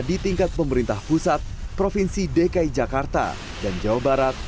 di tingkat pemerintah pusat provinsi dki jakarta dan jawa barat